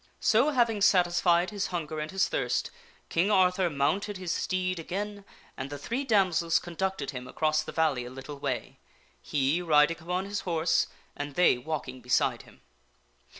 So, having satisfied his hunger and his thirst, King Arthur mounted his steed again, and the three damsels conducted him across the valley a little way he riding upon his horse and they walking beside him.